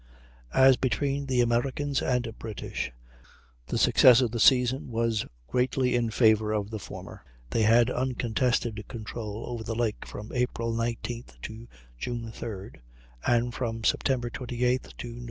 As between the Americans and British, the success of the season was greatly in favor of the former. They had uncontested control over the lake from April 19th to June 3d, and from Sept. 28th to Nov.